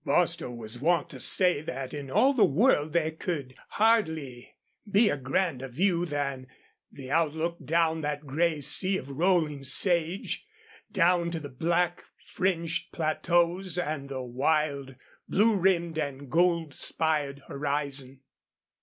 Bostil was wont to say that in all the world there could hardly be a grander view than the outlook down that gray sea of rolling sage, down to the black fringed plateaus and the wild, blue rimmed and gold spired horizon.